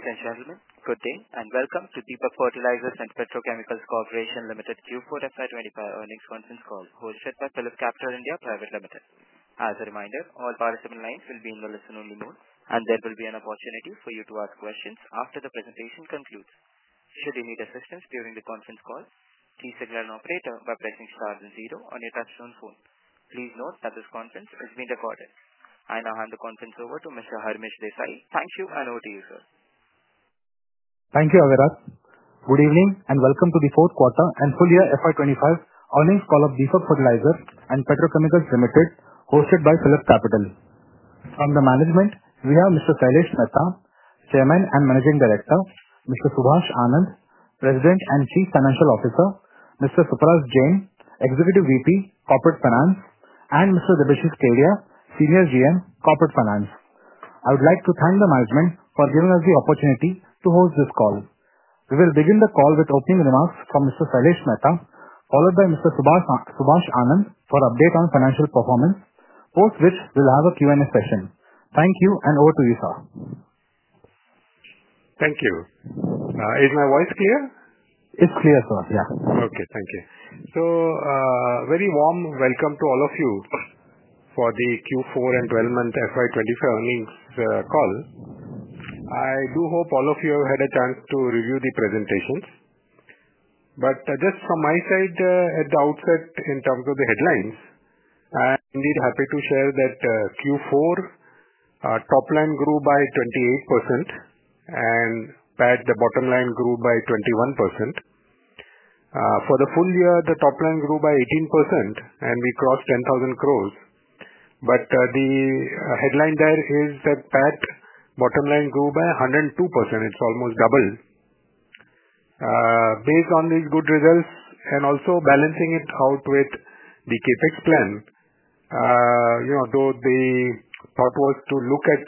Thank you, gentlemen. Good day and welcome to Deepak Fertilisers and Petrochemicals Corporation Limited Q4 FY 2025 earnings conference call, hosted by Philip Capital India Private Limited. As a reminder, all participant lines will be in the listen-only mode, and there will be an opportunity for you to ask questions after the presentation concludes. Should you need assistance during the conference call, please signal an operator by pressing star and zero on your touch-tone phone. Please note that this conference is being recorded. I now hand the conference over to Mr. Harmesh Desai. Thank you, and over to you, sir. Thank you, Avirath. Good evening and welcome to the fourth quarter and full year FY 2025 earnings call of Deepak Fertilisers and Petrochemicals, hosted by Philip Capital. From the management, we have Mr. Sailesh Mehta, Chairman and Managing Director, Mr. Subhash Anand, President and Chief Financial Officer, Mr. Suparas Jain, Executive Vice President, Corporate Finance, and Mr. Debasish Kedia, Senior General Manager, Corporate Finance. I would like to thank the management for giving us the opportunity to host this call. We will begin the call with opening remarks from Mr. Sailesh Mehta, followed by Mr. Subhash Anand for an update on financial performance, post which we will have a Q&A session. Thank you, and over to you, sir. Thank you. Is my voice clear? It's clear, sir. Yeah. Okay. Thank you. A very warm welcome to all of you for the Q4 and 12-month FY 2025 earnings call. I do hope all of you have had a chance to review the presentations. Just from my side, at the outset, in terms of the headlines, I am indeed happy to share that Q4 top-line grew by 28%, and PAT, the bottom line, grew by 21%. For the full year, the top-line grew by 18%, and we crossed 10,000 crores. The headline there is that PAT, bottom line, grew by 102%. It is almost double. Based on these good results and also balancing it out with the CapEx plan, though the thought was to look at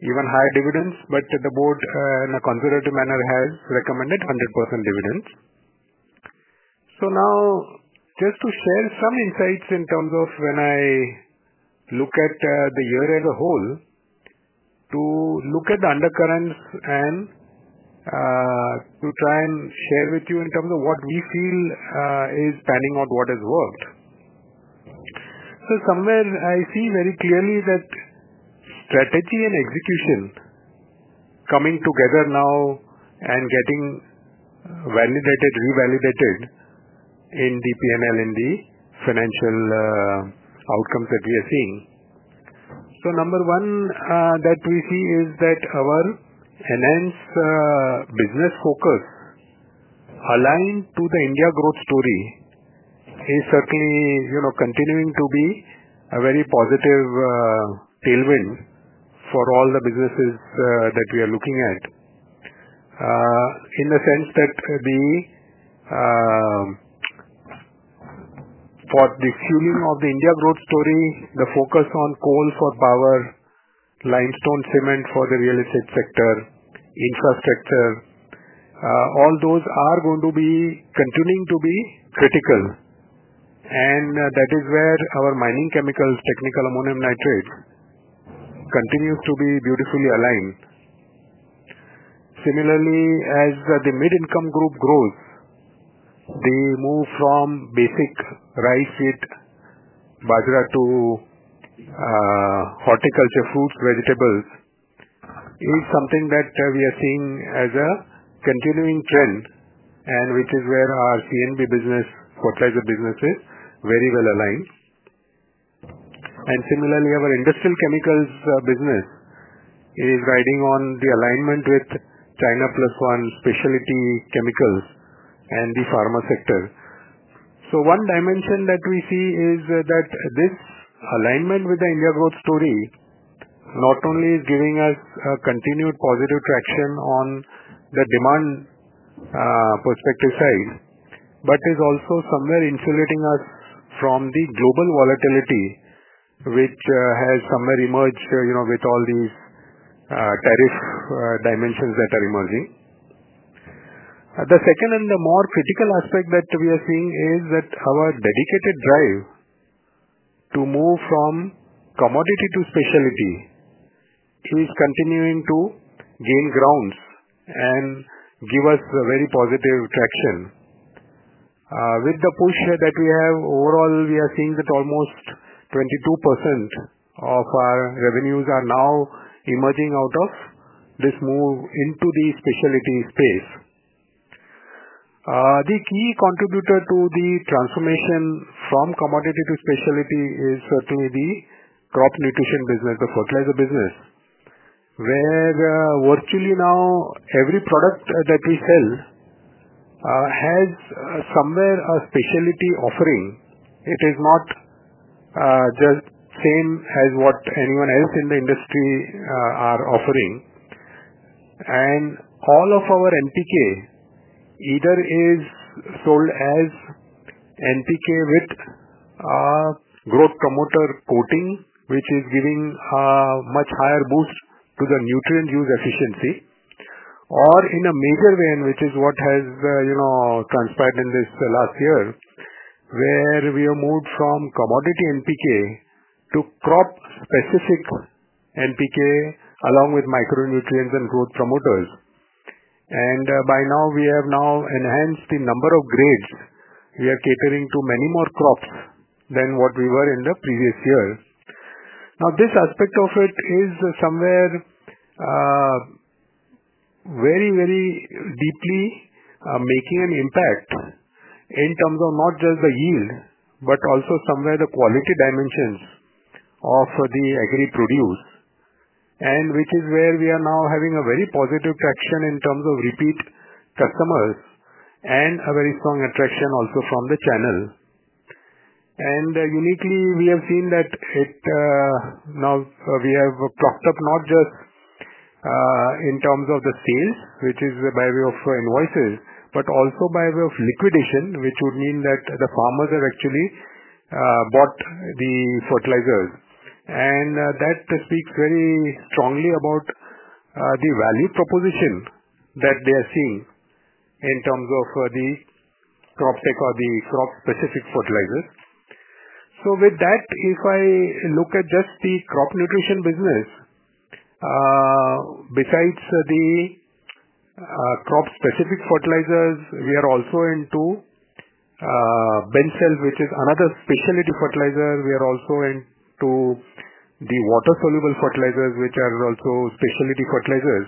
even higher dividends, the board in a conservative manner has recommended 100% dividends. Now, just to share some insights in terms of when I look at the year as a whole, to look at the undercurrents and to try and share with you in terms of what we feel is panning out, what has worked. Somewhere, I see very clearly that strategy and execution coming together now and getting validated, revalidated in the P&L and the financial outcomes that we are seeing. Number one that we see is that our enhanced business focus, aligned to the India growth story, is certainly continuing to be a very positive tailwind for all the businesses that we are looking at, in the sense that for the fueling of the India growth story, the focus on coal for power, limestone cement for the real estate sector, infrastructure, all those are going to be continuing to be critical. That is where our mining chemicals, technical ammonium nitrate, continues to be beautifully aligned. Similarly, as the mid-income group grows, the move from basic rice, wheat, bajra, to horticulture fruits, vegetables is something that we are seeing as a continuing trend, and which is where our CNB business, fertilizer business, is very well aligned. Similarly, our industrial chemicals business is riding on the alignment with China Plus One specialty chemicals and the pharma sector. One dimension that we see is that this alignment with the India growth story not only is giving us continued positive traction on the demand perspective side, but is also somewhere insulating us from the global volatility, which has somewhere emerged with all these tariff dimensions that are emerging. The second and the more critical aspect that we are seeing is that our dedicated drive to move from commodity to specialty is continuing to gain ground and give us very positive traction. With the push that we have, overall, we are seeing that almost 22% of our revenues are now emerging out of this move into the specialty space. The key contributor to the transformation from commodity to specialty is certainly the crop nutrition business, the fertilizer business, where virtually now every product that we sell has somewhere a specialty offering. It is not just the same as what anyone else in the industry is offering. All of our NPK either is sold as NPK with a growth promoter coating, which is giving a much higher boost to the nutrient use efficiency, or in a major way, which is what has transpired in this last year, where we have moved from commodity NPK to crop-specific NPK along with micronutrients and growth promoters. By now, we have enhanced the number of grades. We are catering to many more crops than what we were in the previous year. This aspect of it is somewhere very, very deeply making an impact in terms of not just the yield, but also somewhere the quality dimensions of the agri-produce, which is where we are now having a very positive traction in terms of repeat customers and a very strong attraction also from the channel. Uniquely, we have seen that now we have clocked up not just in terms of the sales, which is by way of invoices, but also by way of liquidation, which would mean that the farmers have actually bought the fertilizers. That speaks very strongly about the value proposition that they are seeing in terms of the Croptek or the crop-specific fertilizers. If I look at just the crop nutrition business, besides the crop-specific fertilizers, we are also into Bensulf, which is another specialty fertilizer. We are also into the water-soluble fertilizers, which are also specialty fertilizers.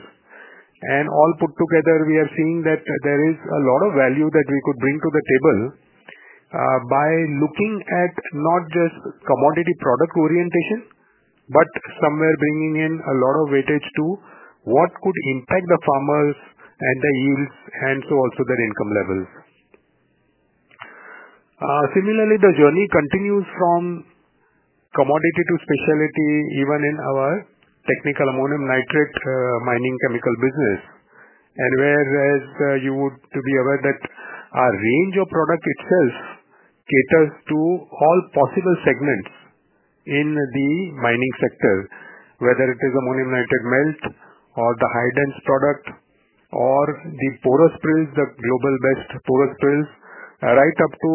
All put together, we are seeing that there is a lot of value that we could bring to the table by looking at not just commodity product orientation, but somewhere bringing in a lot of weightage to what could impact the farmers and the yields and so also their income levels. Similarly, the journey continues from commodity to specialty, even in our technical ammonium nitrate mining chemical business, and whereas you would be aware that our range of product itself caters to all possible segments in the mining sector, whether it is ammonium nitrate melt or the high-dense product or the porous prills, the global best porous prills, right up to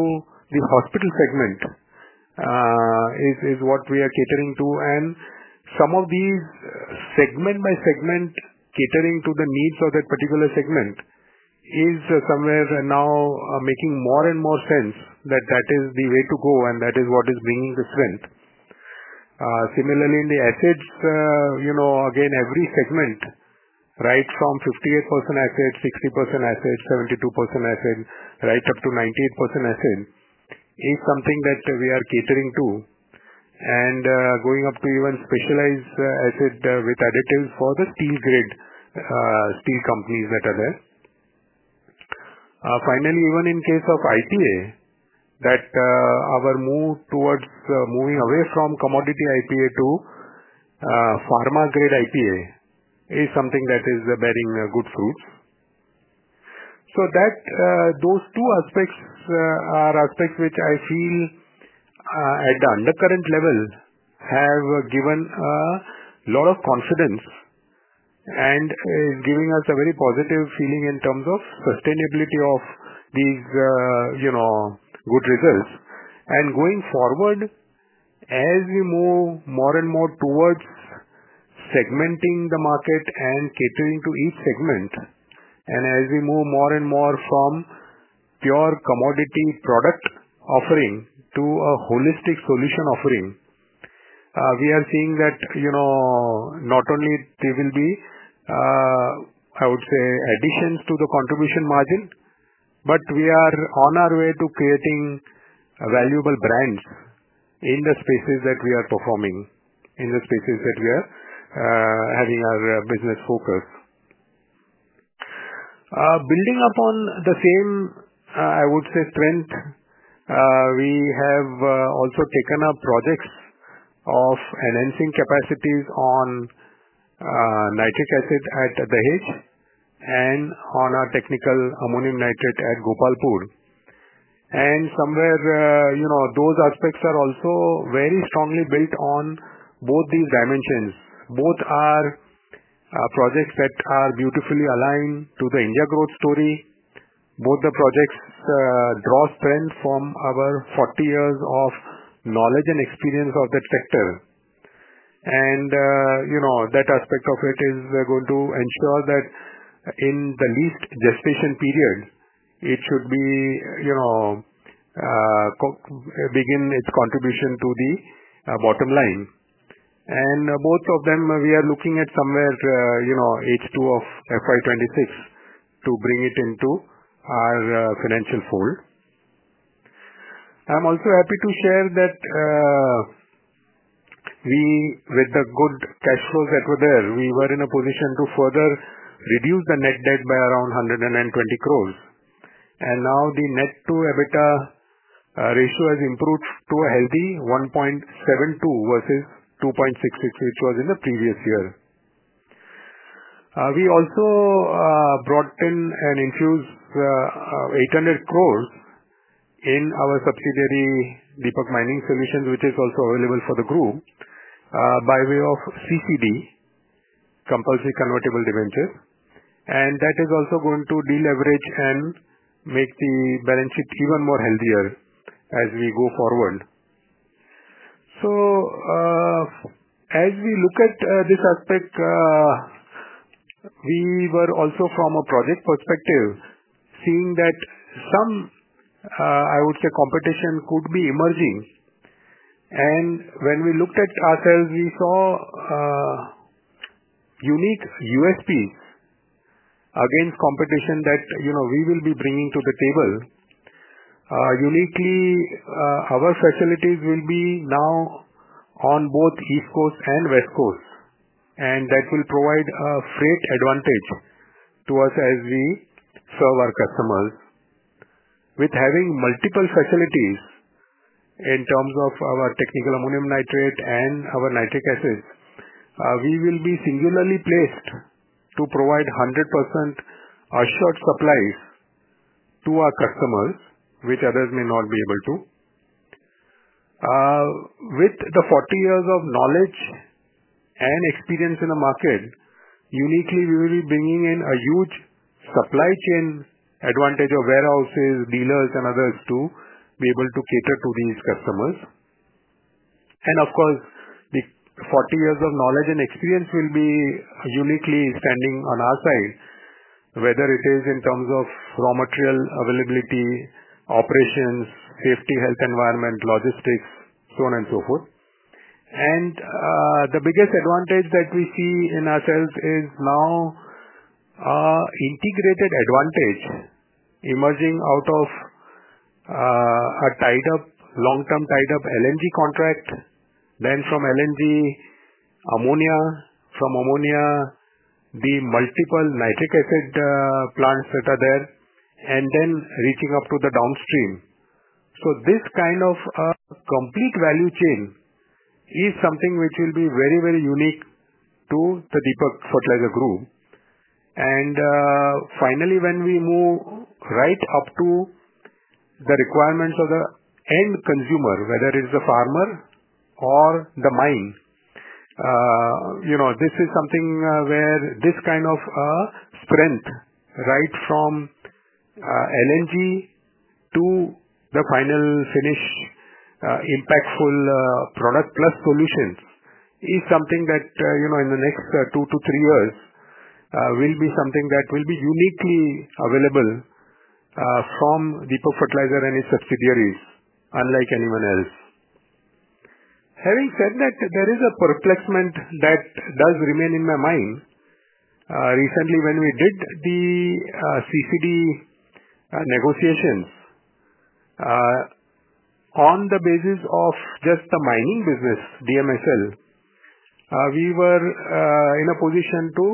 the hospital segment is what we are catering to. Some of these segment-by-segment catering to the needs of that particular segment is somewhere now making more and more sense that that is the way to go, and that is what is bringing the strength. Similarly, in the acids, again, every segment, right from 58% acid, 60% acid, 72% acid, right up to 98% acid, is something that we are catering to and going up to even specialized acid with additives for the steel grid, steel companies that are there. Finally, even in case of IPA, that our move towards moving away from commodity IPA to pharma-grade IPA is something that is bearing good fruits. Those two aspects are aspects which I feel at the undercurrent level have given a lot of confidence and is giving us a very positive feeling in terms of sustainability of these good results. Going forward, as we move more and more towards segmenting the market and catering to each segment, and as we move more and more from pure commodity product offering to a holistic solution offering, we are seeing that not only there will be, I would say, additions to the contribution margin, but we are on our way to creating valuable brands in the spaces that we are performing, in the spaces that we are having our business focus. Building upon the same, I would say, strength, we have also taken up projects of enhancing capacities on nitric acid at Dahej and on our technical ammonium nitrate at Gopalpur. Somewhere, those aspects are also very strongly built on both these dimensions. Both are projects that are beautifully aligned to the India growth story. Both the projects draw strength from our 40 years of knowledge and experience of that sector. That aspect of it is going to ensure that in the least gestation period, it should begin its contribution to the bottom line. Both of them, we are looking at somewhere H2 of FY 2026 to bring it into our financial fold. I'm also happy to share that with the good cash flows that were there, we were in a position to further reduce the net debt by around 120 crore. The net-to-EBITDA ratio has improved to a healthy 1.72 versus 2.66, which was in the previous year. We also brought in and infused 800 crore in our subsidiary Deepak Mining Solutions, which is also available for the group, by way of CCD, Compulsory Convertible Debentures. That is also going to deleverage and make the balance sheet even more healthy as we go forward. As we look at this aspect, we were also from a project perspective, seeing that some, I would say, competition could be emerging. When we looked at ourselves, we saw unique USPs against competition that we will be bringing to the table. Uniquely, our facilities will be now on both East Coast and West Coast, and that will provide a freight advantage to us as we serve our customers. With having multiple facilities in terms of our technical ammonium nitrate and our nitric acids, we will be singularly placed to provide 100% assured supplies to our customers, which others may not be able to. With the 40 years of knowledge and experience in the market, uniquely, we will be bringing in a huge supply chain advantage of warehouses, dealers, and others to be able to cater to these customers. The 40 years of knowledge and experience will be uniquely standing on our side, whether it is in terms of raw material availability, operations, safety, health environment, logistics, so on and so forth. The biggest advantage that we see in ourselves is now an integrated advantage emerging out of a long-term tied-up LNG contract, then from LNG ammonia, from ammonia, the multiple nitric acid plants that are there, and then reaching up to the downstream. This kind of complete value chain is something which will be very, very unique to the Deepak Fertilisers Group. Finally, when we move right up to the requirements of the end consumer, whether it is the farmer or the mine, this is something where this kind of strength, right from LNG to the final finish, impactful product plus solutions is something that in the next two to three years will be uniquely available from Deepak Fertilisers and its subsidiaries, unlike anyone else. Having said that, there is a perplexement that does remain in my mind. Recently, when we did the CCD negotiations on the basis of just the mining business, DMSL, we were in a position to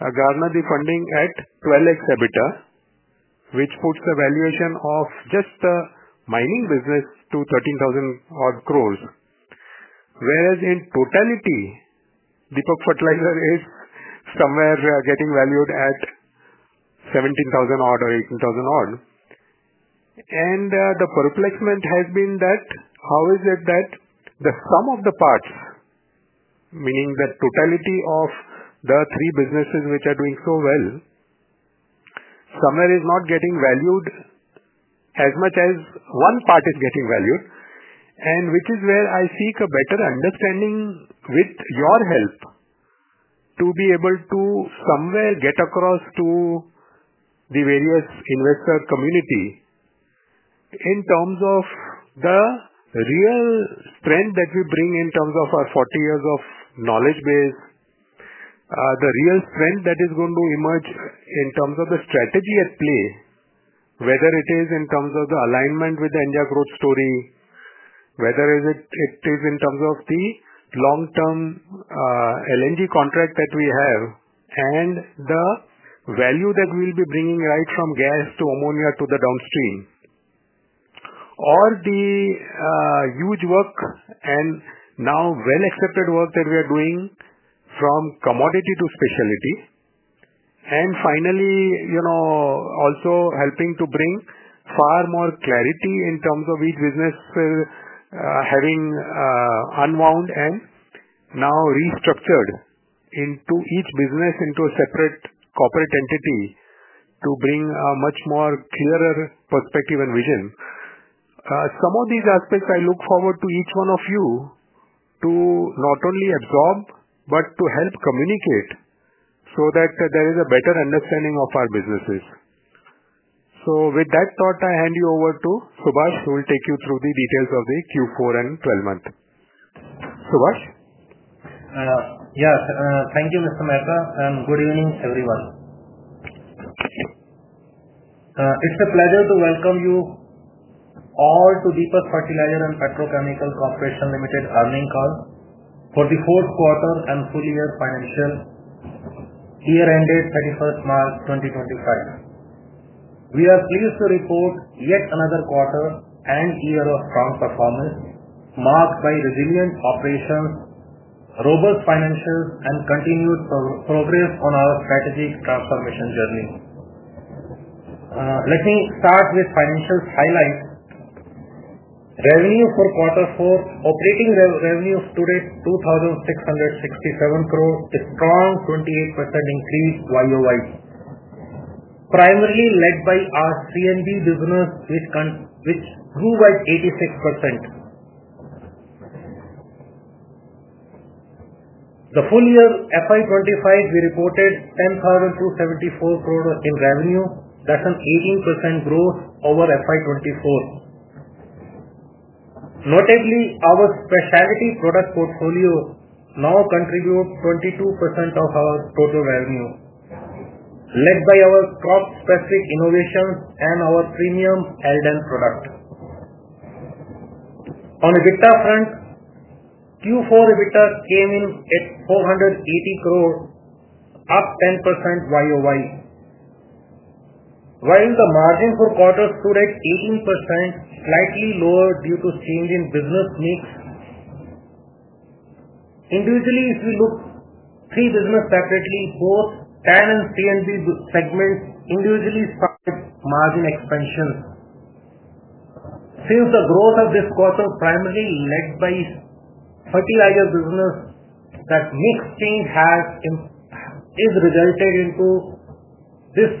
garner the funding at 12x EBITDA, which puts the valuation of just the mining business to 13,000 odd crores, whereas in totality, Deepak Fertilisers is somewhere getting valued at 17,000 odd or 18,000 odd. The perplexement has been that how is it that the sum of the parts, meaning the totality of the three businesses which are doing so well, somewhere is not getting valued as much as one part is getting valued, and which is where I seek a better understanding with your help to be able to somewhere get across to the various investor community in terms of the real strength that we bring in terms of our 40 years of knowledge base, the real strength that is going to emerge in terms of the strategy at play, whether it is in terms of the alignment with the India growth story, whether it is in terms of the long-term LNG contract that we have, and the value that we will be bringing right from gas to ammonia to the downstream, or the huge work and now well-accepted work that we are doing from commodity to specialty, and finally, also helping to bring far more clarity in terms of each business having unwound and now restructured into each business into a separate corporate entity to bring a much more clearer perspective and vision. Some of these aspects, I look forward to each one of you to not only absorb, but to help communicate so that there is a better understanding of our businesses. With that thought, I hand you over to Subhash, who will take you through the details of the Q4 and 12 month. Subhash? Yes. Thank you, Mr. Mehta. Good evening, everyone. It's a pleasure to welcome you all to Deepak Fertilisers and Petrochemicals Corporation Limited earning call for the fourth quarter and full year financial, year-ended 31 March 2025. We are pleased to report yet another quarter and year of strong performance marked by resilient operations, robust financials, and continued progress on our strategic transformation journey. Let me start with financials highlight. Revenue for quarter four, operating revenue today, 2,667 crore, a strong 28% increase YoY, primarily led by our CNB business, which grew by 86%. The full year FY 2025, we reported 10,274 crores in revenue. That's an 18% growth over FY 2024. Notably, our specialty product portfolio now contributes 22% of our total revenue, led by our crop-specific innovations and our premium LDAN product. On the EBITDA front, Q4 EBITDA came in at 480 crores, up 10% YoY, while the margin for the quarter stood at 18%, slightly lower due to change in business mix. Individually, if we look at the three businesses separately, both TAN and CNB segments individually saw margin expansion. Since the growth of this quarter was primarily led by the fertilizer business, that mix change has resulted in this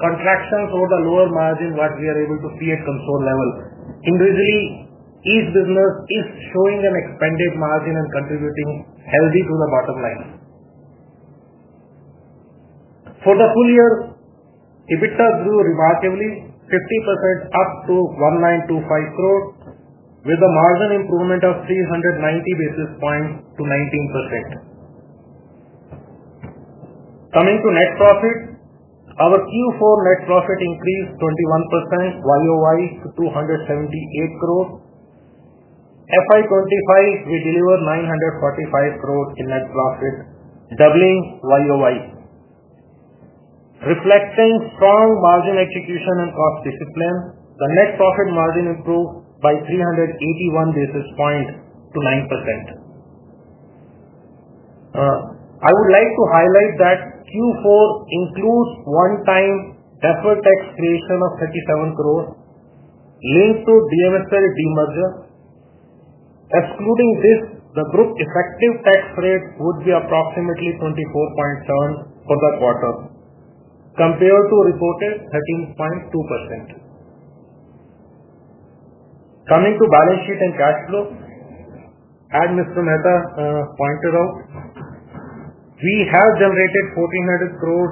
contraction toward the lower margin that we are able to see at the consolidated level. Individually, each business is showing an expanded margin and contributing heavily to the bottom line. For the full year, EBITDA grew remarkably, 50% up to 1,925 crore, with a margin improvement of 390 basis points to 19%. Coming to net profit, our Q4 net profit increased 21% YoY to 278 crore. FY 2025, we delivered 945 crore in net profit, doubling YoY. Reflecting strong margin execution and cost discipline, the net profit margin improved by 381 basis points to 9%. I would like to highlight that Q4 includes one-time effort tax creation of 37 crore, linked to DMSL demerger. Excluding this, the group effective tax rate would be approximately 24.7% for the quarter, compared to reported 13.2%. Coming to balance sheet and cash flow, as Mr. Mehta pointed out, we have generated 1,400 crore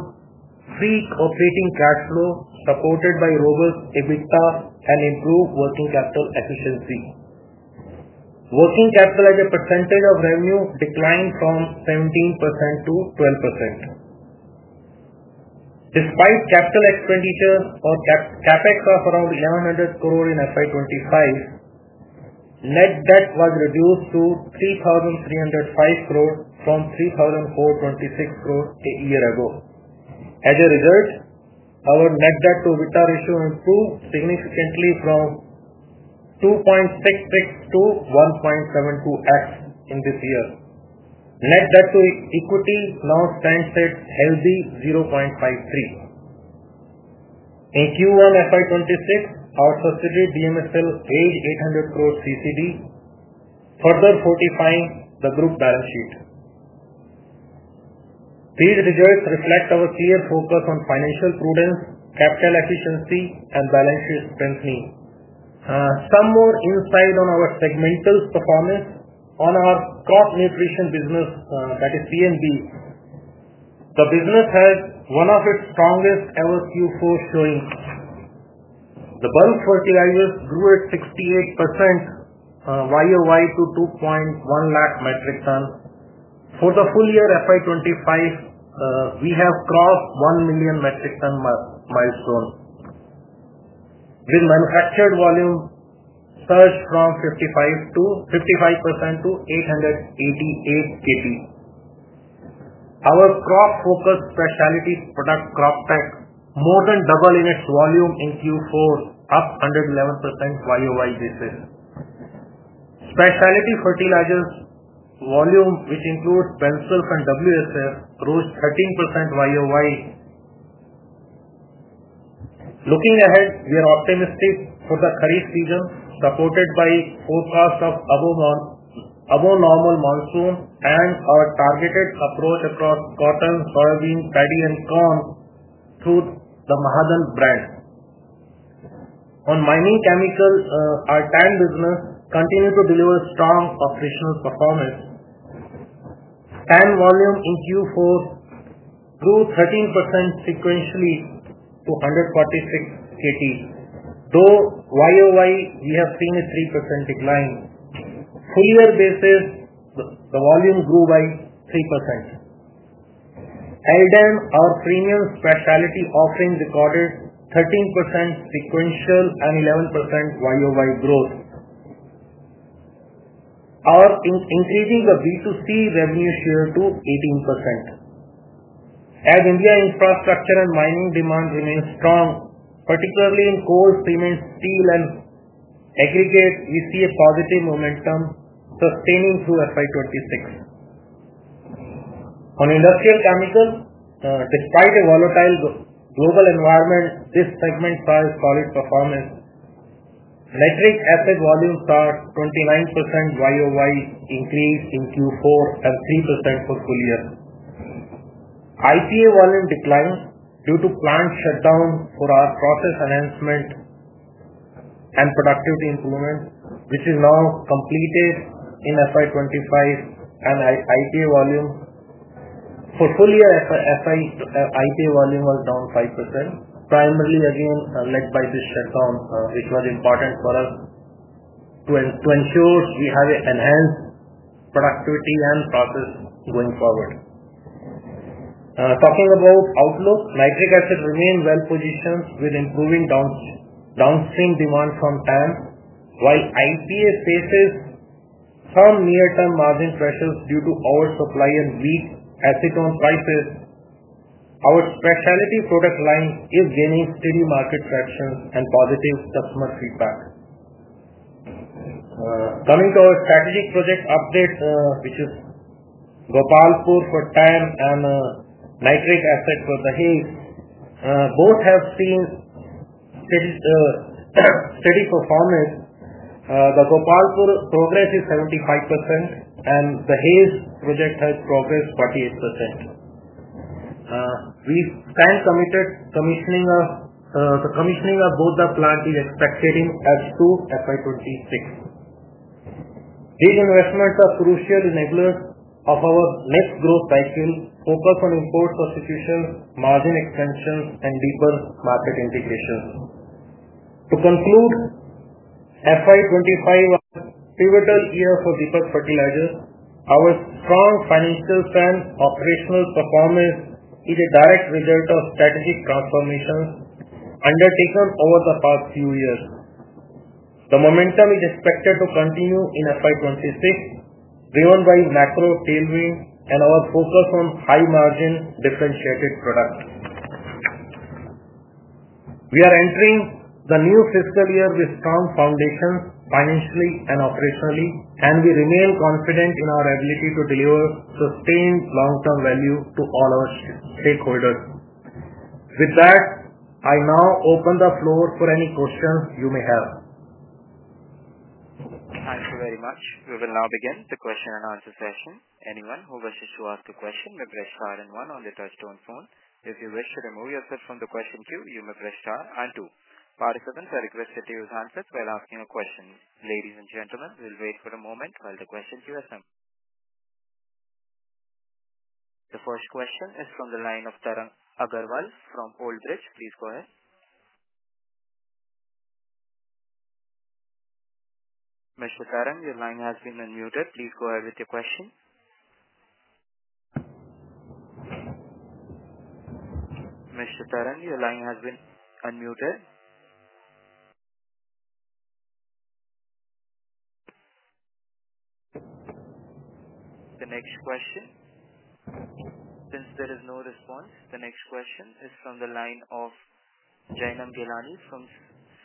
free operating cash flow supported by robust EBITDA and improved working capital efficiency. Working capital as a percentage of revenue declined from 17% to 12%. Despite capital expenditure or CapEx of around 1,100 crore in FY 2025, net debt was reduced to 3,305 crore from 3,426 crore a year ago. As a result, our net debt-to-EBITDA ratio improved significantly from 2.66 to 1.72x in this year. Net debt-to-equity now stands at a healthy 0.53. In Q1 FY 2026, our subsidiary DMSL raised 800 crore CCD, further fortifying the group balance sheet. These results reflect our clear focus on financial prudence, capital efficiency, and balance sheet strengthening. Some more insight on our segmental performance on our crop nutrition business, that is CNB. The business has one of its strongest ever Q4 showings. The bulk fertilizers grew at 68% YoY to 2.1 lakh metric tons. For the full year FY 2025, we have crossed the 1 million metric tons milestone, with manufactured volume surged from 55% to 888 Kt. Our crop-focused specialty product Croptek more than doubled in its volume in Q4, up 111% YoY basis. Specialty fertilizers volume, which includes Bensulf and WSF, rose 13% YoY. Looking ahead, we are optimistic for the Kharif season, supported by forecasts of above-normal monsoon and our targeted approach across cotton, soybean, paddy, and corn through the Mahadhan brand. On mining chemicals, our TAN business continues to deliver strong operational performance. TAN volume in Q4 grew 13% sequentially to 146 Kt, though YoY we have seen a 3% decline. Full year basis, the volume grew by 3%. LDAN, our premium specialty offering, recorded 13% sequential and 11% YoY growth. Our increasing the B2C revenue share to 18%. As India's infrastructure and mining demand remains strong, particularly in coal, cement, steel, and aggregate, we see a positive momentum sustaining through FY 2026. On industrial chemicals, despite a volatile global environment, this segment saw a solid performance. Nitric acid volumes saw a 29% YoY increase in Q4 and 3% for full year. IPA volume declined due to plant shutdowns for our process enhancement and productivity improvement, which is now completed in FY 2025, and IPA volume for full year FY volume was down 5%, primarily again led by this shutdown, which was important for us to ensure we have enhanced productivity and process going forward. Talking about outlook, nitric acid remained well-positioned with improving downstream demand from TAN, while IPA faces some near-term margin pressures due to oversupply and weak acetone prices. Our specialty product line is gaining steady market traction and positive customer feedback. Coming to our strategic project update, which is Gopalpur for TAN and nitric acid for Dahej, both have seen steady performance. The Gopalpur progress is 75%, and the Dahej project has progressed 48%. We've then commissioned the commissioning of both the plant is expected in FY 2026. These investments are crucial enablers of our next growth cycle, focus on import substitution, margin extensions, and deeper market integration. To conclude, FY 2025 was a pivotal year for Deepak Fertilisers. Our strong financials and operational performance is a direct result of strategic transformations undertaken over the past few years. The momentum is expected to continue in FY 2026, driven by macro tailwind and our focus on high-margin differentiated products. We are entering the new fiscal year with strong foundations financially and operationally, and we remain confident in our ability to deliver sustained long-term value to all our stakeholders. With that, I now open the floor for any questions you may have. Thank you very much. We will now begin the question and answer session. Anyone who wishes to ask a question may press star and one on the touchstone phone. If you wish to remove yourself from the question queue, you may press star and two. Participants are requested to use handsets while asking a question. Ladies and gentlemen, we'll wait for a moment while the question queue is assembled. The first question is from the line of Tarang Agarwal from Old Bridge. Please go ahead. Mr. Tarang, your line has been unmuted. Please go ahead with your question. The next question, since there is no response, the next question is from the line of Jainam Ghelani from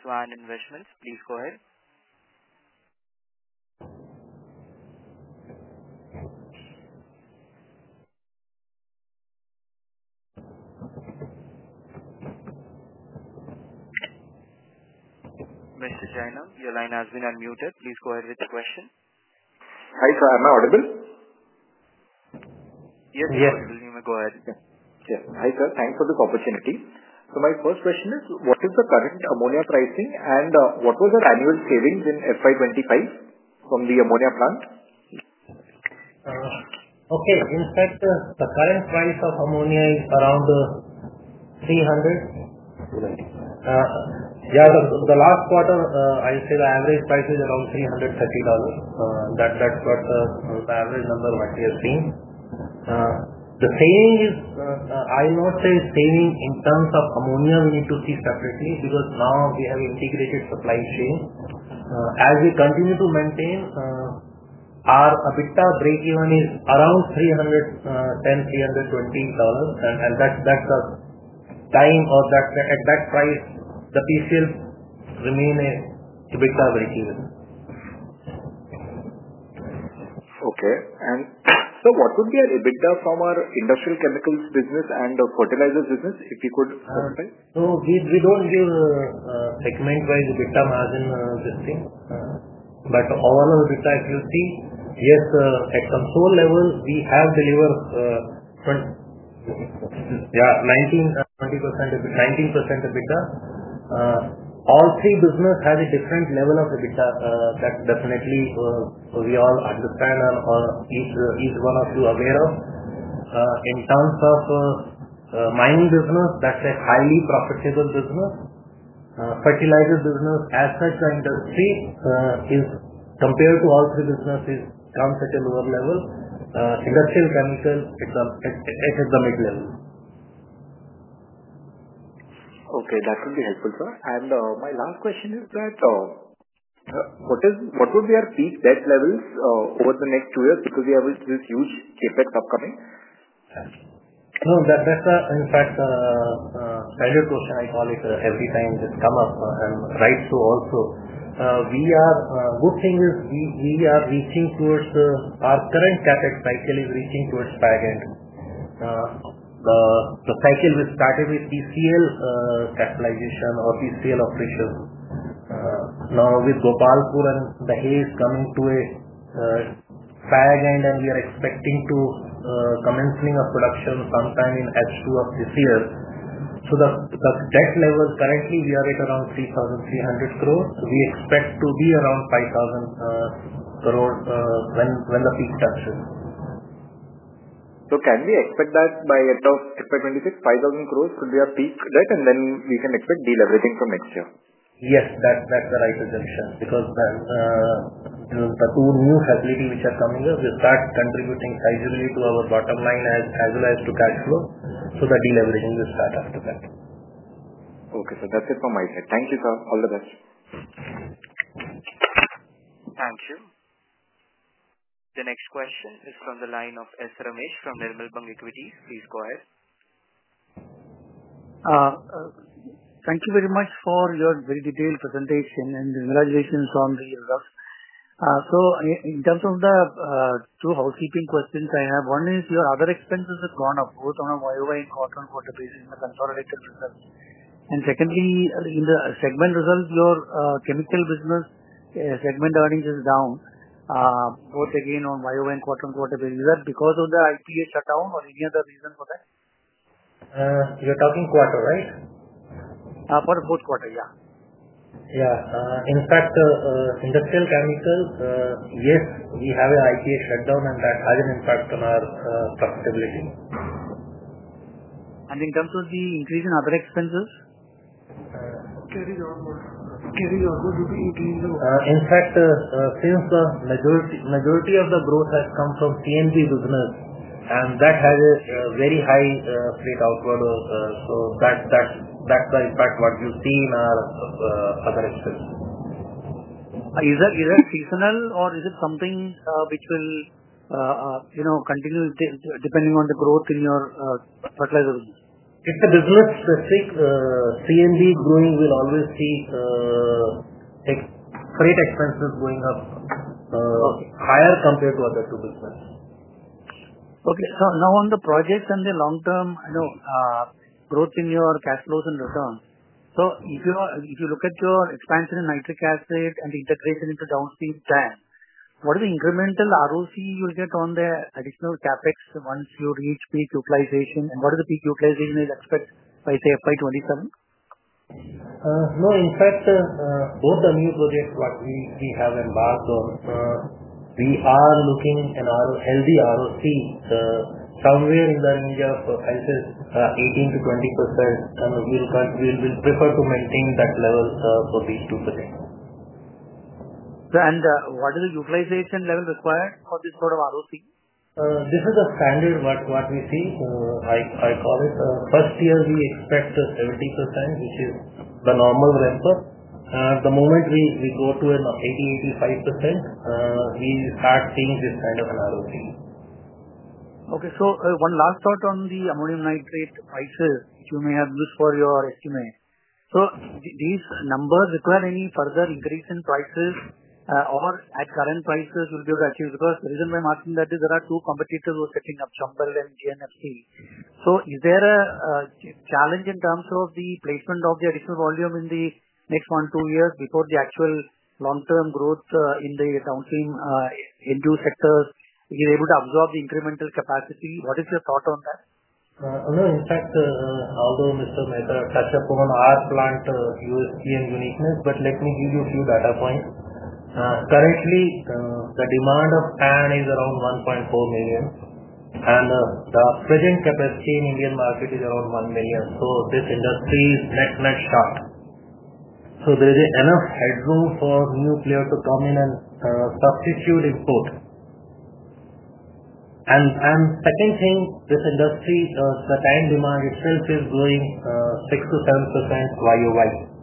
Svan Investments. Please go ahead. Mr. Jainam, your line has been unmuted. Please go ahead with the question. Hi sir, am I audible? Yes, you're audible. You may go ahead. Yes. Hi sir, thanks for this opportunity. My first question is, what is the current ammonia pricing and what was the annual savings in FI25 from the ammonia plant? Okay. In fact, the current price of ammonia is around $300. Yeah, the last quarter, I'd say the average price is around $330. That's what the average number what we have seen. The saving is, I'll not say saving in terms of ammonia, we need to see separately because now we have integrated supply chain. As we continue to maintain, our EBITDA breakeven is around $310-$320, and that's a time of that at that price, the PCL remain a EBITDA breakeven. Okay. What would be an EBITDA from our industrial chemicals business and fertilizers business, if you could specify? We don't give segment-wise EBITDA margin this thing, but overall EBITDA, if you see, yes, at console level, we have delivered 19% EBITDA. All three businesses have a different level of EBITDA. That's definitely we all understand or each one of you aware of. In terms of mining business, that's a highly profitable business. Fertilizer business, as such an industry, compared to all three businesses, comes at a lower level. Industrial chemicals, it's at the mid-level. Okay. That would be helpful, sir. My last question is that, what would be our peak debt levels over the next two years because we have this huge CapEx upcoming? No, that's in fact a standard question. I call it every time this come up and right to also. The good thing is we are reaching towards our current CapEx cycle is reaching towards fag end. the cycle we started with PCL capitalization or PCL operation. Now with Gopalpur and Dahej coming to a fag end and we are expecting the commencement of production sometime in Q2 of this year. The debt level currently, we are at around 3,300 crore. We expect to be around 5,000 crore when the peak touches. Can we expect that by FY 2026, 5,000 crore could be our peak debt and then we can expect deleveraging from next year? Yes, that's the right assumption because the two new facilities which are coming up will start contributing sizably to our bottom line as well as to cash flow. The deleveraging will start after that. Okay. That's it from my side. Thank you, sir. All the best. Thank you. The next question is from the line of S. Ramesh from Nirmal Bang Equities. Please go ahead. Thank you very much for your very detailed presentation and the congratulations on the results. In terms of the two housekeeping questions I have, one is your other expenses have gone up both on a YoY and quarter-on-quarter basis in the consolidated results. Secondly, in the segment results, your chemical business segment earnings is down, both again on YoY and quarter-on-quarter basis. Is that because of the IPA shutdown or any other reason for that? You are talking quarter, right? For both quarter, yeah. In fact, industrial chemicals, yes, we have an IPA shutdown and that has an impact on our profitability. In terms of the increase in other expenses? Carry onward. Carry onward due to increase in the. In fact, since the majority of the growth has come from CNB business and that has a very high straight outward, so that's the impact what you see in our other expenses. Is that seasonal or is it something which will continue depending on the growth in your fertilizer business? It's a business specific. CNB growing will always see straight expenses going up higher compared to other two businesses. Okay. Now on the projects and the long-term growth in your cash flows and return. If you look at your expansion in nitric acid and the integration into downstream TAN, what is the incremental ROC you'll get on the additional CapEx once you reach peak utilization and what is the peak utilization you expect by FY 2027? No, in fact, both the new projects what we have embarked on, we are looking at a healthy ROC somewhere in the range of, I'll say, 18%-20%, and we will prefer to maintain that level for these two projects. What is the utilization level required for this sort of ROC? This is a standard what we see. I call it first year we expect 70%, which is the normal number. At the moment we go to an 80%-85%, we start seeing this kind of an ROC. Okay. One last thought on the ammonium nitrate prices, which you may have used for your estimate. Do these numbers require any further increase in prices or at current prices you will be able to achieve? The reason why I am asking that is there are two competitors who are setting up, Chambal and GNFC. Is there a challenge in terms of the placement of the additional volume in the next one to two years before the actual long-term growth in the downstream Hindu sectors? Is it able to absorb the incremental capacity? What is your thought on that? No, in fact, although Mr. Mehta touched upon our plant USP and uniqueness, let me give you a few data points. Currently, the demand of TAN is around 1.4 million, and the present capacity in the Indian market is around 1 million. This industry is neck and neck. There is enough headroom for new players to come in and substitute input. The second thing, the TAN demand itself is growing 6%-7% YoY.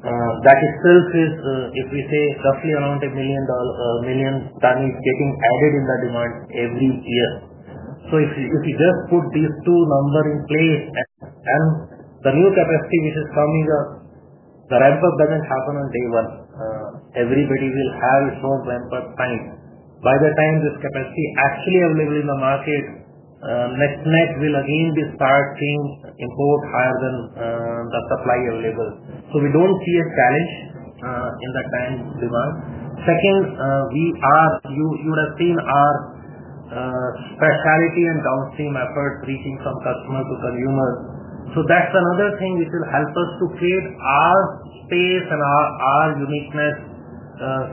That itself is, if we say, roughly around 1 million ton is getting added in the demand every year. If you just put these two numbers in place and the new capacity which is coming up, the ramp-up does not happen on day one. Everybody will have its own ramp-up time. By the time this capacity is actually available in the market, neck and neck will again be starting import higher than the supply available. We do not see a challenge in the TAN demand. Second, you would have seen our specialty and downstream efforts reaching from customer to consumer. That is another thing which will help us to create our space and our uniqueness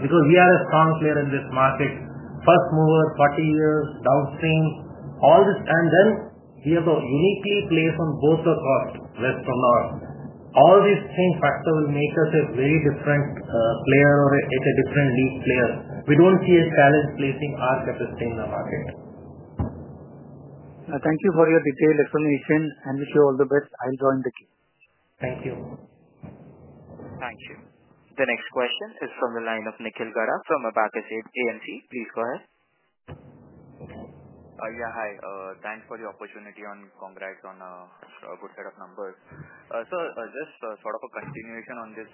because we are a strong player in this market. First mover, 40 years, downstream, all this, and then we have a unique place on both the cost, less to loss. All these factors will make us a very different player or a different league player. We don't see a challenge placing our capacity in the market. Thank you for your detailed explanation. I wish you all the best. I'll join the team. Thank you. Thank you. The next question is from the line of Nikhil Gada from Abakkus AMC. Please go ahead. Yeah, hi. Thanks for the opportunity and congrats on a good set of numbers. Just sort of a continuation on this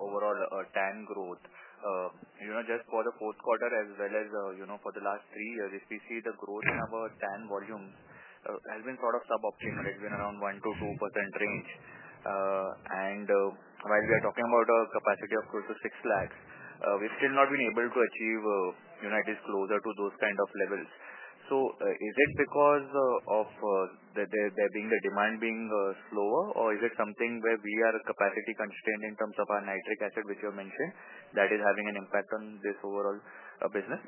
overall TAN growth. Just for the fourth quarter as well as for the last three years, if we see the growth in our TAN volumes has been sort of sub-optimal. It's been around 1%-2% range. And while we are talking about a capacity of close to 6 lakhs, we've still not been able to achieve that is closer to those kind of levels. Is it because of there being the demand being slower, or is it something where we are capacity constrained in terms of our nitric acid, which you mentioned, that is having an impact on this overall business?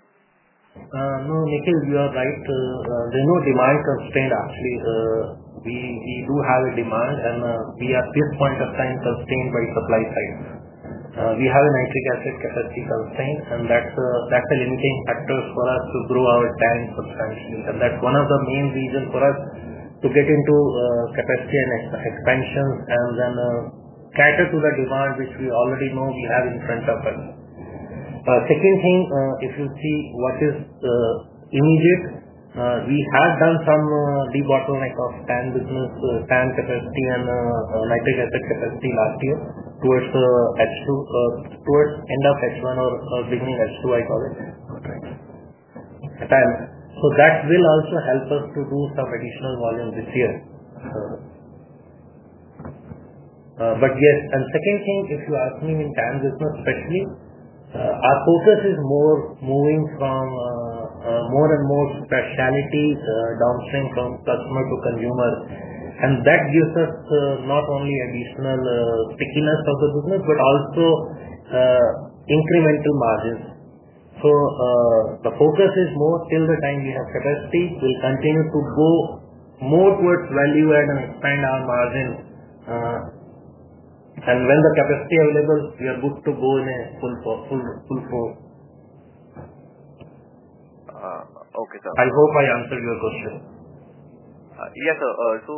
No, Nikhil, you are right. There is no demand constraint, actually. We do have a demand, and we are at this point of time constrained by supply side. We have a nitric acid capacity constraint, and that's a limiting factor for us to grow our TAN substantially. That is one of the main reasons for us to get into capacity and expansions and then cater to the demand which we already know we have in front of us. Second thing, if you see what is immediate, we have done some debottleneck of TAN business, TAN capacity, and nitric acid capacity last year towards end of H1 or beginning H2, I call it. That will also help us to do some additional volume this year. Yes, and second thing, if you ask me in TAN business specially, our focus is more moving from more and more specialty downstream from customer to consumer. That gives us not only additional stickiness of the business, but also incremental margins. The focus is more till the time we have capacity, we'll continue to go more towards value add and expand our margin. When the capacity available, we are good to go in a full force. Okay. I hope I answered your question. Yes, sir. So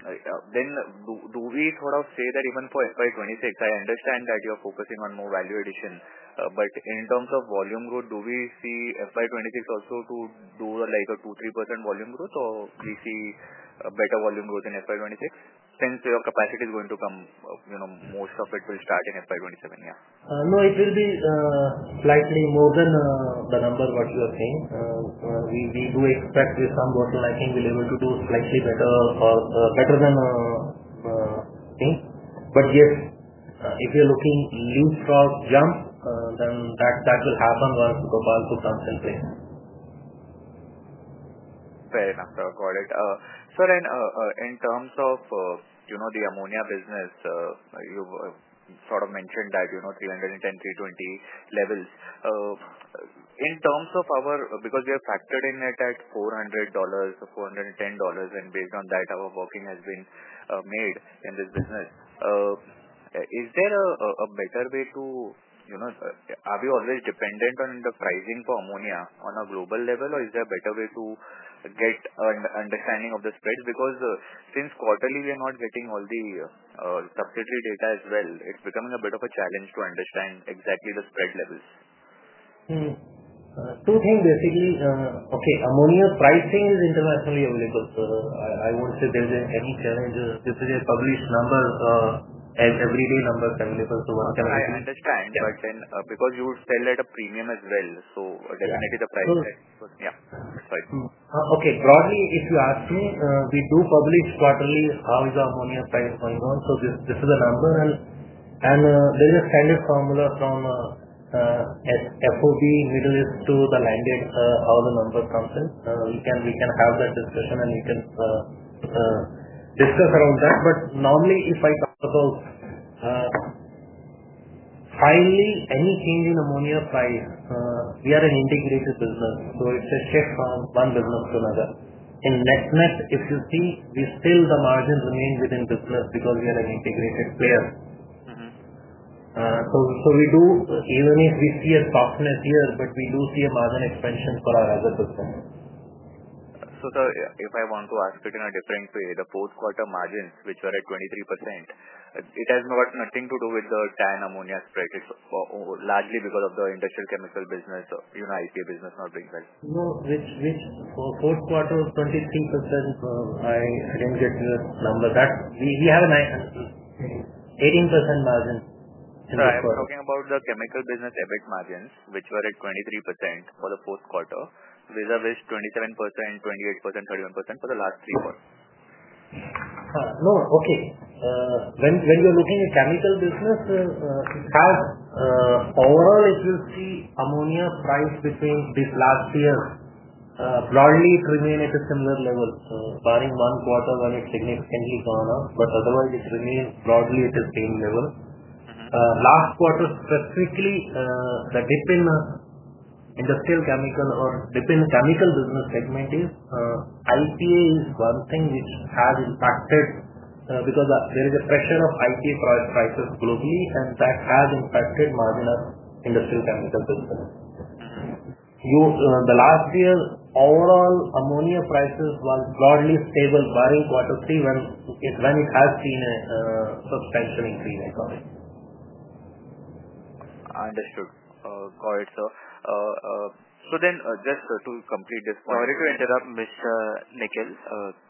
do we sort of say that even for FY 2026, I understand that you're focusing on more value addition, but in terms of volume growth, do we see FY 2026 also to do like a 2%-3% volume growth, or do we see better volume growth in FY 2026 since your capacity is going to come, most of it will start in FY 2027? Yeah. No, it will be slightly more than the number you are saying. We do expect with some bottlenecking, we'll be able to do slightly better or better than that. But yes, if you're looking for a leapfrog jump, then that will happen once Gopalpur comes in place. Fair enough. I've got it. In terms of the ammonia business, you sort of mentioned that 310-320 levels. In terms of our because we have factored in it at $400, $410, and based on that, our working has been made in this business. Is there a better way to have you always dependent on the pricing for ammonia on a global level, or is there a better way to get an understanding of the spread? Because since quarterly, we are not getting all the subsidiary data as well, it's becoming a bit of a challenge to understand exactly the spread levels. Two things, basically. Okay. Ammonia pricing is internationally available. I won't say there's any challenge. This is a published number, everyday numbers available. So one can understand. But then because you sell at a premium as well, so definitely the price that yeah. Sorry. Okay. Broadly, if you ask me, we do publish quarterly how is the ammonia price going on. This is a number, and there is a standard formula from FOB Middle East to the landed how the number comes in. We can have that discussion, and we can discuss around that. Normally, if I talk about highly any change in ammonia price, we are an integrated business. It is a shift from one business to another. In neck, neck, if you see, we still the margin remains within business because we are an integrated player. We do, even if we see a softness here, but we do see a margin expansion for our other business. If I want to ask it in a different way, the fourth quarter margins, which were at 23%, it has got nothing to do with the TAN ammonia spread. It is largely because of the industrial chemical business, IPA business not being present. No, which fourth quarter 23%, I didn't get the number. We have an 18% margin in the quarter. So I'm talking about the chemical business EBIT margins, which were at 23% for the fourth quarter, with a risk 27%, 28%, 31% for the last three quarters. No, okay. When you're looking at chemical business, it has overall, if you see ammonia price between this last year, broadly, it remained at a similar level. Barring one quarter when it significantly gone up, but otherwise, it remained broadly at the same level. Last quarter, specifically, the dip in industrial chemical or dip in the chemical business segment is IPA is one thing which has impacted because there is a pressure of IPA prices globally, and that has impacted margin of industrial chemical business. The last year, overall, ammonia prices were broadly stable, barring quarter three when it has seen a substantial increase, I call it. Understood. Got it. Just to complete this point. Sorry to interrupt, Nikhil.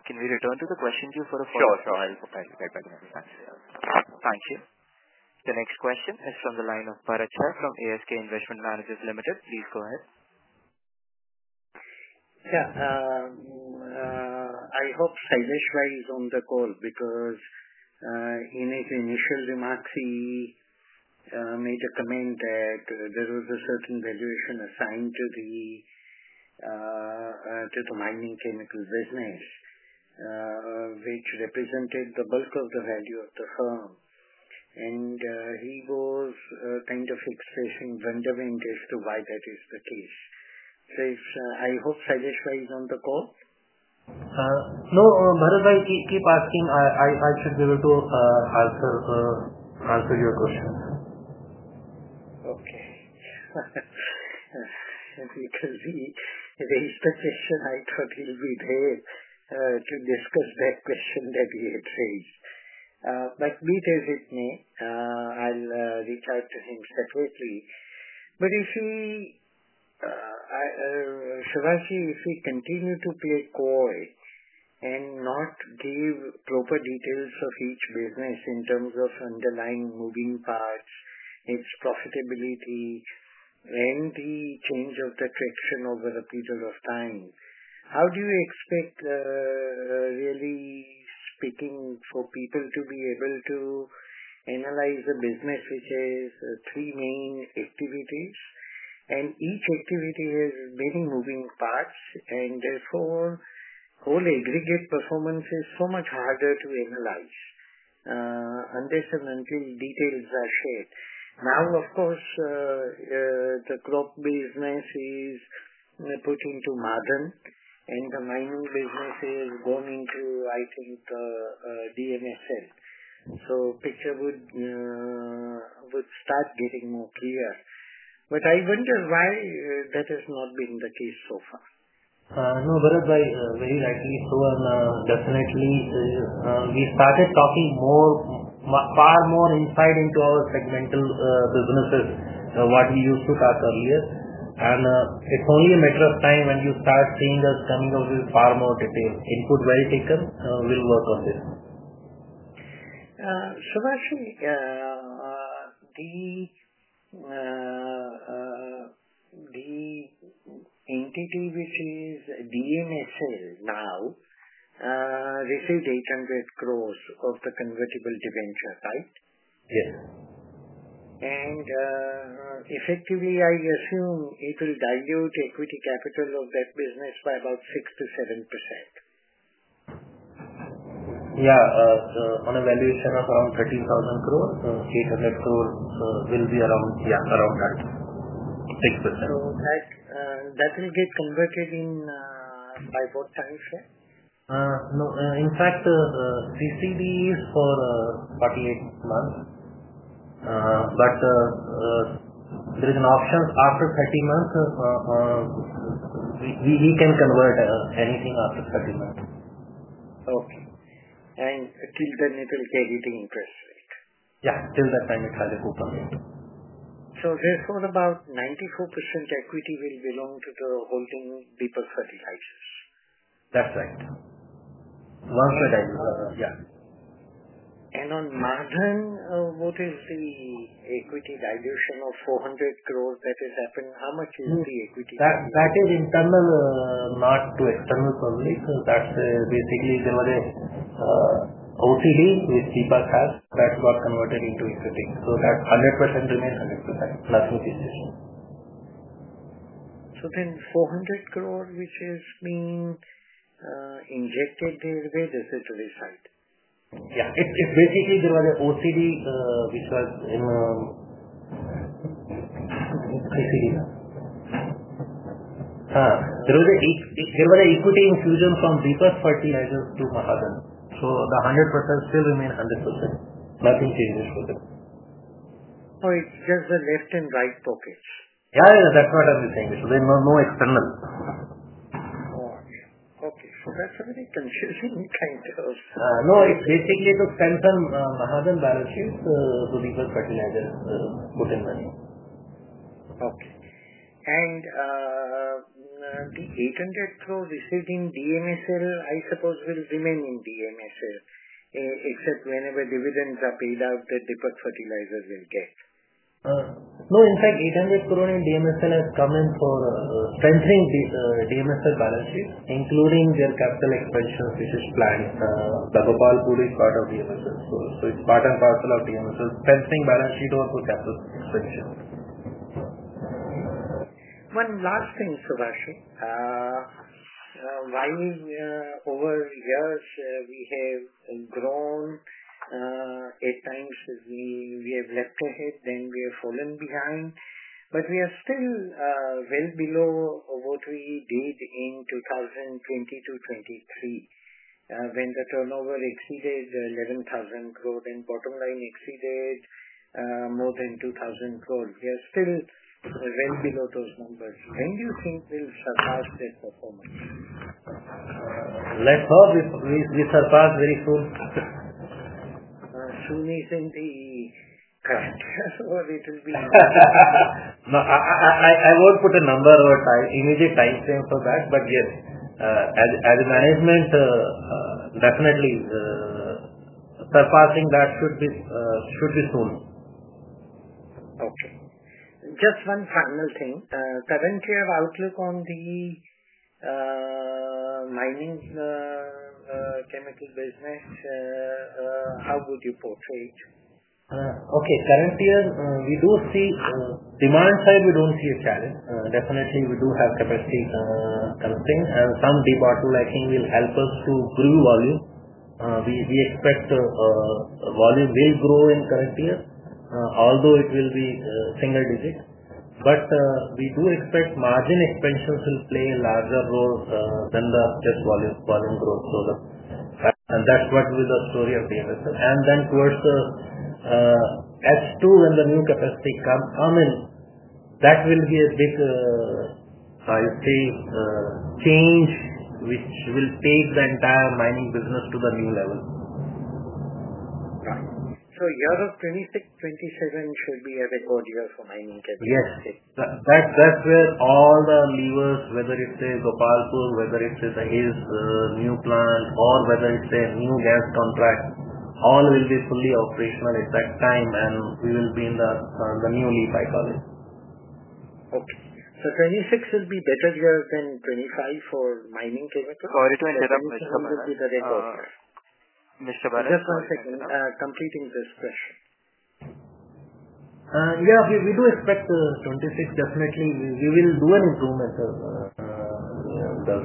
Can we return to the question to you for a follow-up? Sure, sure. I'll get back in a minute. Thank you. The next question is from the line of Bharat Shah from ASK Investment Managers Limited. Please go ahead. Yeah. I hope Sailesh Mehta is on the call because in his initial remarks, he made a comment that there was a certain valuation assigned to the mining chemical business, which represented the bulk of the value of the firm. He goes kind of expressing vendor vintage to why that is the case. I hope Sailesh Mehta is on the call. No, Bharat bhai, keep asking. I should be able to answer your question. Okay. Because he raised the question, I thought he'll be there to discuss that question that he had raised. Be it as it may, I'll reach out to him separately. If he, Subhash, if he continued to play co-op and not give proper details of each business in terms of underlying moving parts, its profitability, and the change of the traction over a period of time, how do you expect, really speaking, for people to be able to analyze the business, which is three main activities, and each activity has many moving parts, and therefore whole aggregate performance is so much harder to analyze unless and until details are shared? Now, of course, the crop business is put into Mahadhan, and the mining business is going into, I think, DMSL. The picture would start getting more clear. I wonder why that has not been the case so far. No, Bharat bhai, very rightly so. And definitely, we started talking far more inside into our segmental businesses than what we used to talk earlier. It's only a matter of time when you start seeing us coming up with far more detail. Input well taken. We'll work on this. Subhash, the entity which is DMSL now received 800 crore of the convertible debenture, right? Yes. And effectively, I assume it will dilute equity capital of that business by about 6%-7%. Yeah. On a valuation of around 13,000 crore, 800 crore will be around that, 6%. That will get converted by what timeframe? No. In fact, CCD is for 48 months. There is an option after 30 months. We can convert anything after 30 months. Okay. Till then, it will be at 18%, right? Yeah. Till that time, it has a coupon rate. Therefore, about 94% equity will belong to the holding Deepak Fertilisers. That's right. Once the dilution happens. Yeah. On Mahadhan, what is the equity dilution of 400 crore that has happened? How much is the equity? That is internal, not to external public. That's basically there was an OCD which Deepak had. That's what converted into equity. So 100% remains 100%. Nothing to change. Then INR 400 crore, which has been injected there, is it reside? Yeah. Basically, there was an OCD, which was an ICD now. There was an equity infusion from Deepak Fertilisers to Mahadhan. So the 100% still remains 100%. Nothing changes with it. Oh, it's just the left and right pockets. Yeah, yeah. That's what I'm saying. There's no external. Okay. That is a very confusing kind of. No, it is basically the Samson Mahadhan balance sheet to Deepak Sadhilajus put in money. Okay. And the 800 crore received in DMSL, I suppose, will remain in DMSL, except whenever dividends are paid out that Deepak Sadhilajus will get. No, in fact, 800 crore in DMSL has come in for strengthening DMSL balance sheet, including their capital expansion, which is planned. The Gopalpur is part of DMSL. It is part and parcel of DMSL, strengthening balance sheet or capital expansion. One last thing, Subhash. While over years, we have grown eight times, we have leapt ahead, then we have fallen behind. We are still well below what we did in 2020 to 2023 when the turnover exceeded 11,000 crore and bottom line exceeded more than 2,000 crore. We are still well below those numbers. When do you think we will surpass that performance? Let's hope we surpass very soon. Soon is in the current. So it will be. I won't put a number or immediate timeframe for that. Yes, as management, definitely surpassing that should be soon. Okay. Just one final thing. Current year, outlook on the mining chemical business, how would you portray it? Okay. Current year, we do see demand side, we don't see a challenge. Definitely, we do have capacity constraint. Some debottle, I think, will help us to grow volume. We expect volume will grow in current year, although it will be single digit. We do expect margin expansions will play a larger role than just volume growth. That is what will be the story of DMSL. Then towards H2, when the new capacity come in, that will be a big, I'd say, change which will take the entire mining business to the new level. Right. Year of 2026, 2027 should be a record year for mining chemicals. Yes. That is where all the levers, whether it is Gopalpur, whether it is this new plant, or whether it is a new gas contract, all will be fully operational at that time, and we will be in the new leap, I call it. Okay. So 2026 will be a better year than 2025 for mining chemicals? Sorry to interrupt, Mr. Bharat. Mr. Bharat? Just one second. Completing this question. Yeah. We do expect 2026, definitely. We will do an improvement.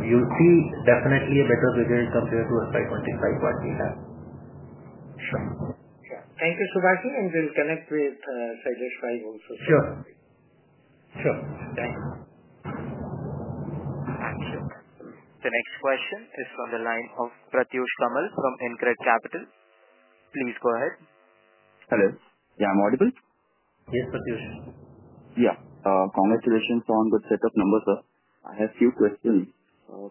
You will see definitely a better period compared to 2025, what we have. Sure. Thank you, Subhash. And we will connect with Sailesh bhai also. Sure. Sure. Thank you. The next question is from the line of Pratyush Kamal from Incred Capital. Please go ahead. Hello. Yeah, I am audible? Yes, Pratyush. Yeah. Congratulations on good setup number, sir. I have a few questions.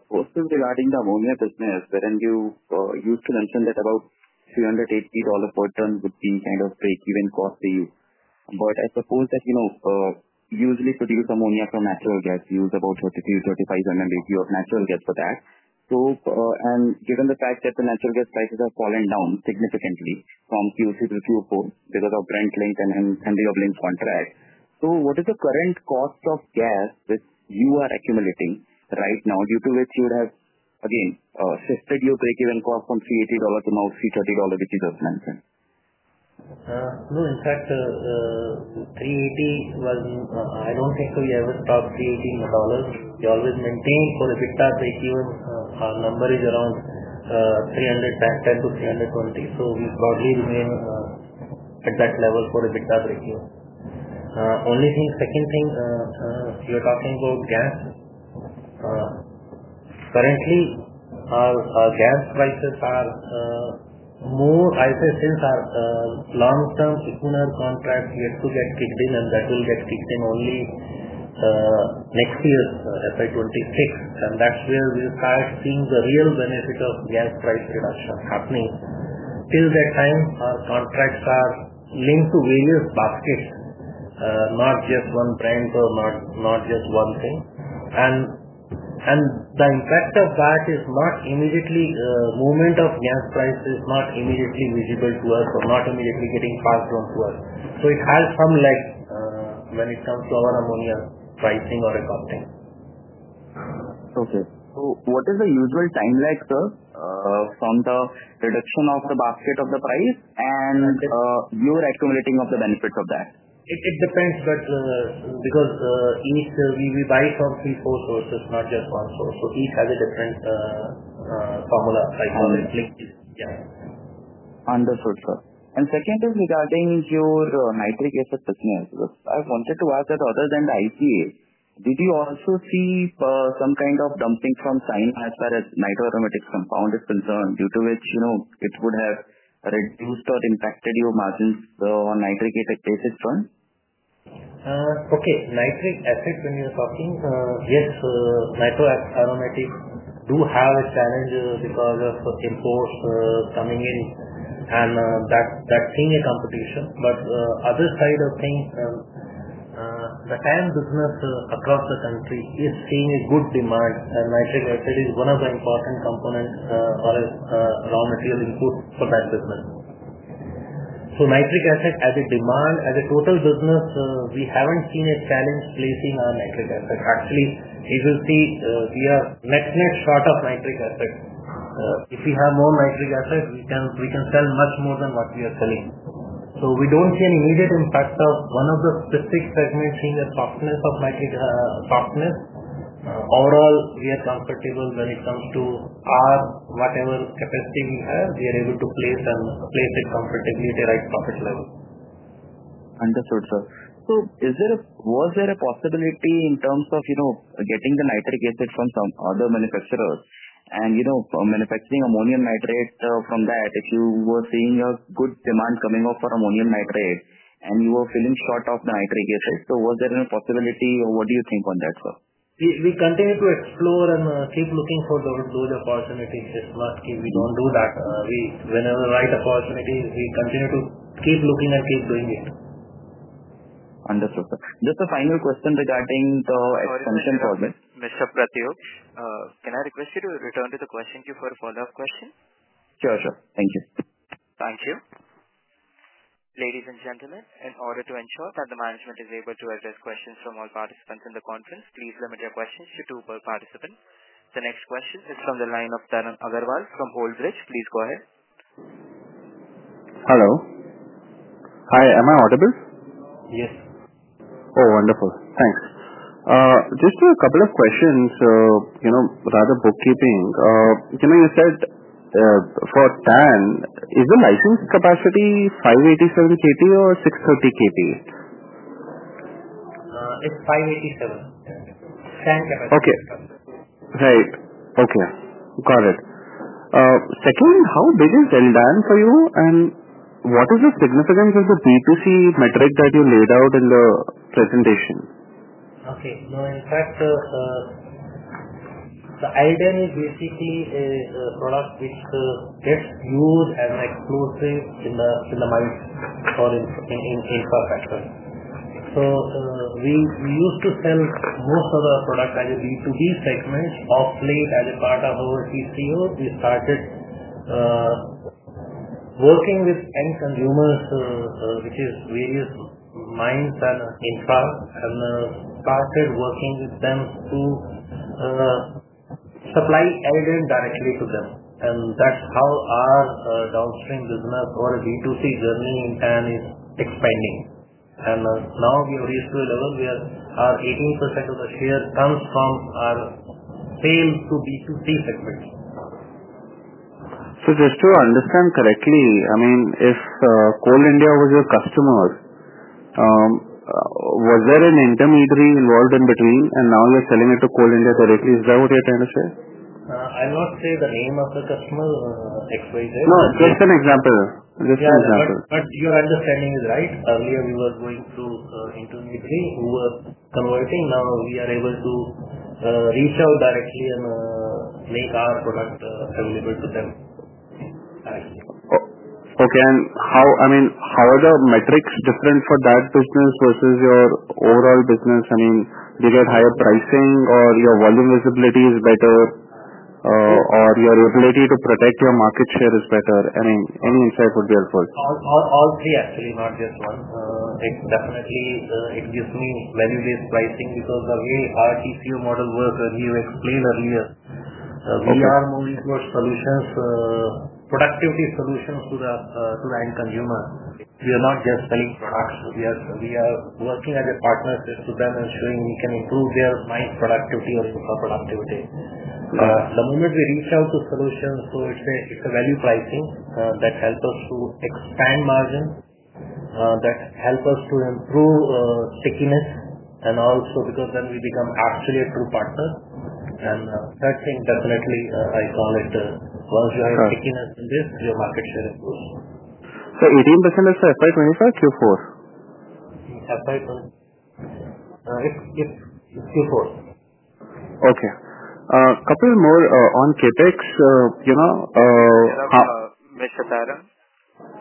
First is regarding the ammonia business, wherein you used to mention that about $380 per ton would be kind of break-even cost to you. I suppose that you usually produce ammonia from natural gas. You use about 33-35 MMBtu of natural gas for that. Given the fact that the natural gas prices have fallen down significantly from Q2 to Q4 because of Brent-linked and Henry Hub linked contracts, what is the current cost of gas that you are accumulating right now, due to which you would have, again, shifted your break-even cost from $380 to now $330, which you just mentioned? No, in fact, $380 was, I do not think we ever stopped $380. We always maintained for a bit of break-even. Our number is around $310 to $320. We broadly remain at that level for a bit of break-even. Only thing, second thing, you're talking about gas. Currently, our gas prices are more as if since our long-term Equinor contract yet to get kicked in, and that will get kicked in only next year, FY 2026. That is where we'll start seeing the real benefit of gas price reduction happening. Till that time, our contracts are linked to various baskets, not just one brand or not just one thing. The impact of that is not immediately, movement of gas price is not immediately visible to us or not immediately getting passed on to us. It has some lag when it comes to our ammonia pricing or accounting. Okay. What is the usual time lag, sir, from the reduction of the basket of the price and your accumulating of the benefits of that? It depends. Because each, we buy from three, four sources, not just one source. So each has a different formula, I call it. Yeah. Understood, sir. Second is regarding your nitric acid business. I wanted to ask that other than the IPA, did you also see some kind of dumping from China as nitro aromatics compound is concerned, due to which it would have reduced or impacted your margins on nitric acid basi s front? Okay. Nitric acid, when you're talking, yes, nitro aromatics do have a challenge because of imports coming in, and that is seeing a competition. Other side of things, the TAN business across the country is seeing a good demand. Nitric acid is one of the important components or raw material input for that business. Nitric acid as a demand, as a total business, we have not seen a challenge placing our nitric acid. Actually, as you see, we are net-net short of nitric acid. If we have more nitric acid, we can sell much more than what we are selling. We do not see an immediate impact of one of the specific segments seeing a softness of nitric softness. Overall, we are comfortable when it comes to our whatever capacity we have, we are able to place and place it comfortably at the right profit level. Understood, sir. Was there a possibility in terms of getting the nitric acid from some other manufacturers and manufacturing ammonium nitrate from that if you were seeing a good demand coming up for ammonium nitrate and you were feeling short of the nitric acid? Was there any possibility or what do you think on that, sir? We continue to explore and keep looking for those opportunities. It's not, we do not do that. Whenever right opportunity, we continue to keep looking and keep doing it. Understood, sir. Just a final question regarding the expansion project. Mr. Pratyush, can I request you to return to the question queue for a follow-up question? Sure, sure. Thank you. Thank you. Ladies and gentlemen, in order to ensure that the management is able to address questions from all participants in the conference, please limit your questions to two participants. The next question is from the line of Tarang Agrawal from Old Bridge. Please go ahead. Hello. Hi, am I audible? Yes. Oh, wonderful. Thanks. Just a couple of questions, rather bookkeeping. You said for TAN, is the licensed capacity 587 Kt or 630 Kt? It's 587. TAN capacity. Okay. Right. Okay. Got it. Second, how big is LDAN for you? And what is the significance of the B2C metric that you laid out in the presentation? Okay. No, in fact, the LDAN basically is a product which gets used as an explosive in the mine or in infrastructure. We used to sell most of our product as a B2B segment off-plate as a part of our TCO. We started working with end consumers, which is various mines and infra, and started working with them to supply LDAN directly to them. That is how our downstream business or B2C journey in TAN is expanding. Now we have reached to a level where our 18% of the share comes from our sale to B2C segment. Just to understand correctly, I mean, if Coal India was your customer, was there an intermediary involved in between, and now you are selling it to Coal India directly? Is that what you are trying to say? I am not sure the name of the customer, XYZ. No, just an example. Just an example. Your understanding is right. Earlier, we were going through intermediary who were converting. Now we are able to reach out directly and make our product available to them directly. Okay. I mean, how are the metrics different for that business versus your overall business? I mean, do you get higher pricing or your volume visibility is better or your ability to protect your market share is better? I mean, any insight would be helpful. All three, actually, not just one. Definitely, it gives me value-based pricing because the way our TCO model works, as you explained earlier, we are moving towards productivity solutions to the end consumer. We are not just selling products. We are working as a partnership to them and showing we can improve their mine productivity or infra productivity. The moment we reach out to solutions, it's a value pricing that helps us to expand margin, that helps us to improve stickiness, and also because then we become actually a true partner. Third thing, definitely, I call it once you have stickiness in this, your market share improves. So 18% is for FY 2025, Q4? FY 2025. Q4. Okay. A couple more on CapEx. Mr. Tarang,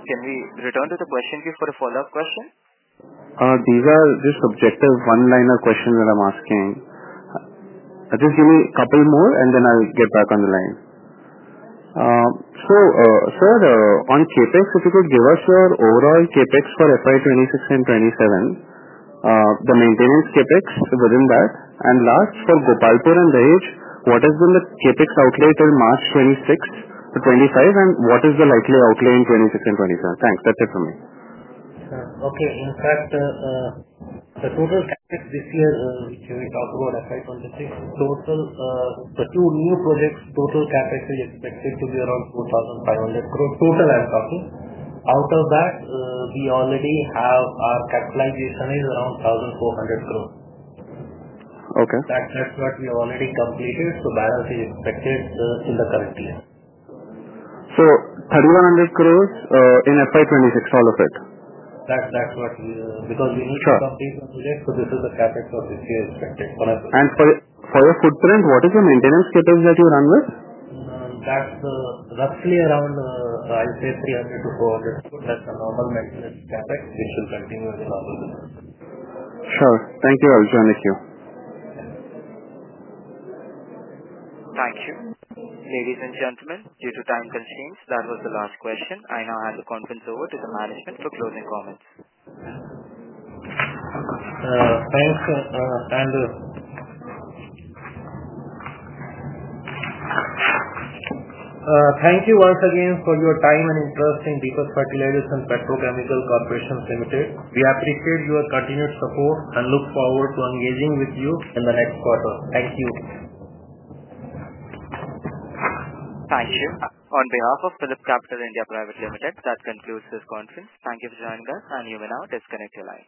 can we return to the question queue for a follow-up question? These are just objective one-liner questions that I'm asking. Just give me a couple more, and then I'll get back on the line. Sir, on CapEx, if you could give us your overall CapEx for FY 2026 and 2027, the maintenance CapEx within that. Last, for Gopalpur and Dahej, what has been the CapEx outlay till March 2025, and what is the likely outlay in 2026 and 2027? Thanks. That's it from me. Okay. In fact, the total CapEx this year, which we talked about for FY 2026, total the two new projects, total CapEx is expected to be around 4,500 crores total, I'm talking. Out of that, we already have our capitalization is around 1,400 crores. That's what we already completed, so balance is expected in the current year. So 3,100 crores in FY 2026, all of it? That's what we because we need to complete and do it, so this is the CapEx of this year expected. And for your footprint, what is your maintenance CapEx that you run with? That's roughly around, I'd say, 300-400 crores that's a normal maintenance CapEx, which will continue in the normal business. Sure. Thank you. I'll join the queue. Thank you. Ladies and gentlemen, due to time constraints, that was the last question. I now hand the conference over to the management for closing comments. Thanks. Thank you once again for your time and interest in Deepak Fertilisers and Petrochemicals Corporation Limited. We appreciate your continued support and look forward to engaging with you in the next quarter. Thank you. On behalf of Philips Capital India Private Limited, that concludes this conference. Thank you for joining us, and you may now disconnect the line.